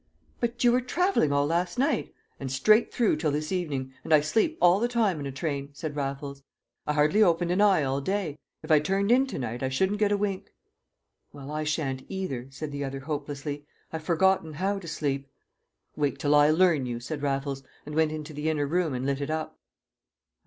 "But you were travelling all last night?" "And straight through till this evening, and I sleep all the time in a train," said Raffles. "I hardly opened an eye all day; if I turned in to night I shouldn't get a wink." "Well, I shan't either," said the other hopelessly. "I've forgotten how to sleep!" "Wait till I learn you!" said Raffles, and went into the inner room and lit it up.